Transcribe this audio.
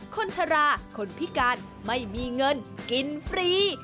คนชะลาคนพิการไม่มีเงินกินฟรี